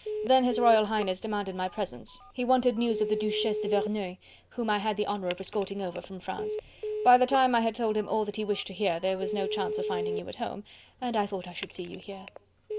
Then His Royal Highness demanded my presence. He wanted news of the Duchesse de Verneuil, whom I had the honour of escorting over from France. By the time I had told him all that he wished to hear, there was no chance of finding you at home, and I thought I should see you here."